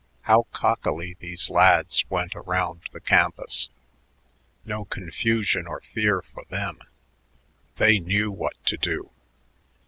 How cockily these lads went around the campus! No confusion or fear for them; they knew what to do.